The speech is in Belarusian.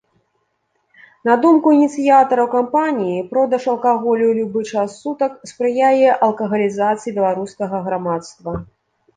На думку ініцыятараў кампаніі, продаж алкаголю ў любы час сутак спрыяе алкагалізацыі беларускага грамадства.